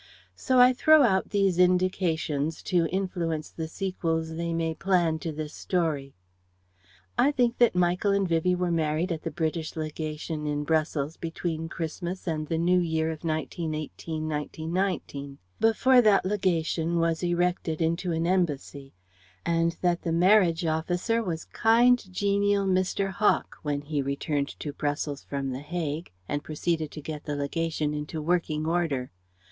So I throw out these indications to influence the sequels they may plan to this story. I think that Michael and Vivie were married at the British Legation in Brussels between Christmas and the New Year of 1918 1919; before that Legation was erected into an Embassy; and that the marriage officer was kind, genial Mr. Hawk when he returned to Brussels from The Hague and proceeded to get the Legation into working order.